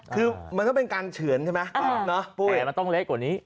คือมันก็เป็นการเฉือนใช่ไหมผู้ใหญ่มันต้องเล็กกว่านี้